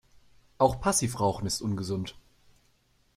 Auch Passivrauchen ist ungesund.